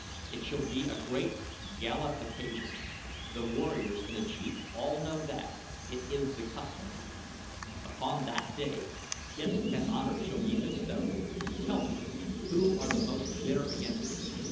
"It shall be a great gala occasion. The warriors and the chiefs all know that it is the custom. Upon that day gifts and honors shall be bestowed. Tell me, who are most bitter against me?